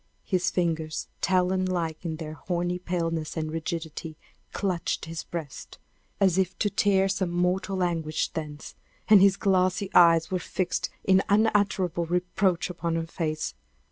His fingers, talon like in their horny paleness and rigidity, clutched his breast, as if to tear some mortal anguish thence, and his glassy eyes were fixed in unutterable reproach upon her face!